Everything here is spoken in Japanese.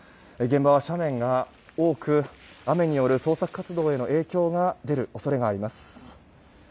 現場は斜面が多く雨による捜索活動への影響が出る恐れがあります。